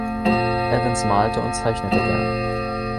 Evans malte und zeichnete gern.